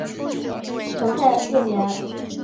成泰四年。